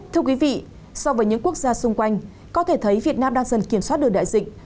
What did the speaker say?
thưa quý vị so với những quốc gia xung quanh có thể thấy việt nam đang dần kiểm soát được đại dịch